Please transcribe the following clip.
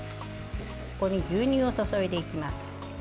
ここに牛乳を注いでいきます。